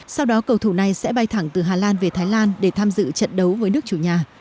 sau đó cầu thủ này sẽ bay thẳng từ hà lan về thái lan để tham dự trận đấu với nước chủ nhà